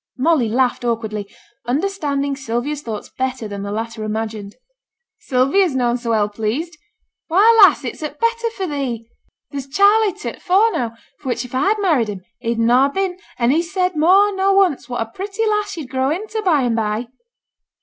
Molly laughed awkwardly, understanding Sylvia's thoughts better than the latter imagined. 'Sylvia's noane so well pleased. Why, lass! it's a' t' better for thee. There's Charley to t' fore now, which if a'd married him, he'd not ha' been; and he's said more nor once what a pretty lass yo'd grow into by and by.'